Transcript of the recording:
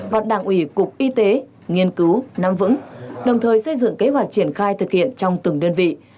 và đảng ủy cục y tế nghiên cứu nắm vững đồng thời xây dựng kế hoạch triển khai thực hiện trong từng đơn vị